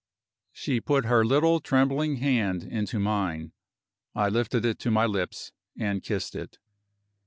She put her little trembling hand into mine; I lifted it to my lips, and kissed it.